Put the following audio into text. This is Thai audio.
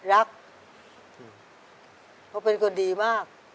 รักเพราะเป็นคนดีมาก